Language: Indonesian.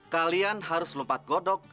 kalian harus lompat godok